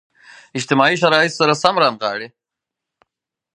اجتماعي شرایطو سره سم رانغاړي.